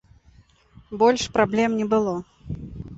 Больш праблем не было.